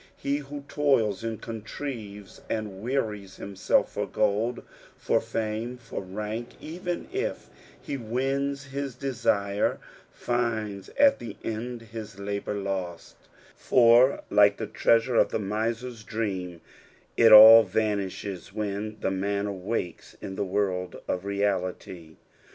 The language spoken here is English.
He who toils and contrives, and wearies himself for gold, for fame, for rank, even if he wins his desire, finds at the end his labour lost ; for like the treasure of the mieer'a dream, it all vanishes when the man awakes in the world of reality.